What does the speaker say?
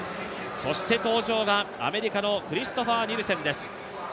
そして登場がアメリカのクリストファー・ニルセンです。